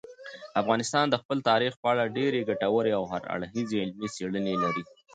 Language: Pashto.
افغانستان د خپل تاریخ په اړه ډېرې ګټورې او هر اړخیزې علمي څېړنې لري.